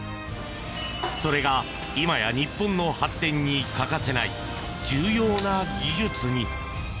それが今や日本の発展に欠かせない重要な技術に。